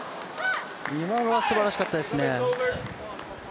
今のはすばらしかったですね。